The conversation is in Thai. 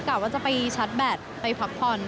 กะว่าจะไปชัดแบตไปพักพร